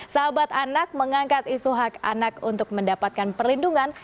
sahabat anak mengangkat isu hak anak untuk mendapatkan perlindungan